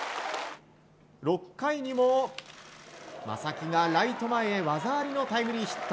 ６回にも、正木がライト前へ技ありのタイムリーヒット。